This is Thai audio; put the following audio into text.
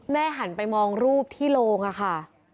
หันไปมองรูปที่โรงอะค่ะ